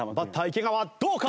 池川どうか？